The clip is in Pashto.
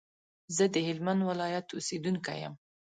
زه د هلمند ولايت اوسېدونکی يم